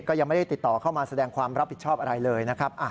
ก็ยังไม่ได้ติดต่อเข้ามาแสดงความรับผิดชอบอะไรเลยนะครับ